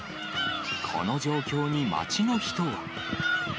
この状況に町の人は。